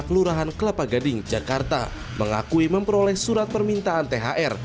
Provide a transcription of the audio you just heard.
kelurahan kelapa gading jakarta mengakui memperoleh surat permintaan thr